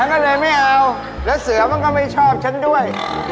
ก็เลยไม่เอาแล้วเสือมันก็ไม่ชอบฉันด้วย